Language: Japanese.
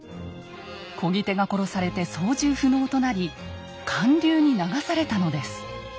こぎ手が殺されて操縦不能となり還流に流されたのです。